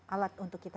alat untuk kita